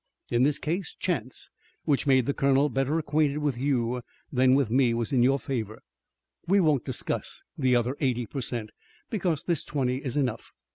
In this case chance, which made the Colonel better acquainted with you than with me, was in your favor. We won't discuss the other eighty per cent, because this twenty is enough.